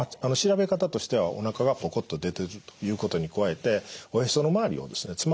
調べ方としてはおなかがポコッと出ているということに加えておへその周りをですね